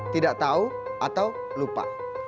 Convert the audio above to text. tidak tahu atau lupa